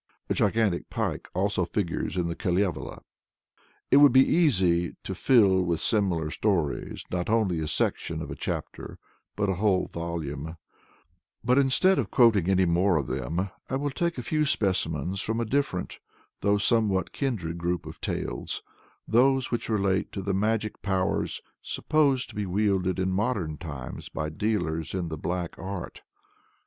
A gigantic pike figures also in the Kalevala. It would be easy to fill with similar stories, not only a section of a chapter, but a whole volume; but instead of quoting any more of them, I will take a few specimens from a different, though a somewhat kindred group of tales those which relate to the magic powers supposed to be wielded in modern times by dealers in the Black Art.